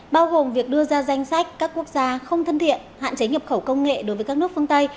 bao gồm việc đưa ra danh sách các quốc gia không thân thiện hạn chế nhập khẩu công nghệ đối với các nước phương tây